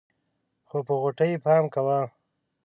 خو په غوټۍ پام کوه.